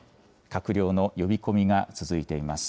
閣僚の呼び込みが続いています。